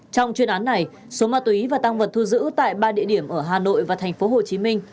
trong chuyên án này số ma túy và tăng vật thu giữ tại ba địa điểm ở hà nội và thành phố hồ chí minh